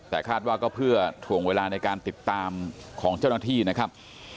แต่คาดว่าก็เพื่อถ่วงเวลาในการติดตามของเจ้าหน้าที่นะครับ